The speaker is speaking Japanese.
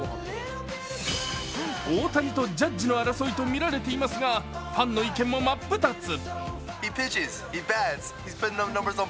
大谷とジャッジの争いとみられていますが、ファンの意見も真っ二つ。